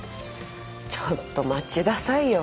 ちょっと待ちださいよ。